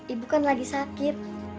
ibu kan lagi sakit